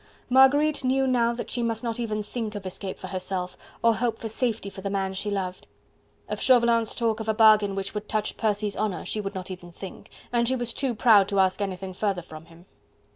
Marguerite knew now that she must not even think of escape for herself, or hope for safety for the man she loved. Of Chauvelin's talk of a bargain which would touch Percy's honour she would not even think: and she was too proud to ask anything further from him.